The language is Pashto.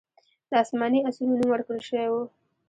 د اسماني آسونو نوم ورکړل شوی و